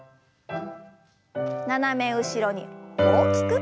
斜め後ろに大きく。